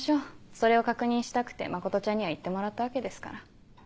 それを確認したくて真ちゃんには行ってもらったわけですから。